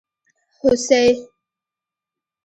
🦌 هوسي